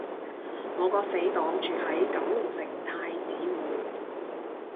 我個死黨住喺九龍城太子匯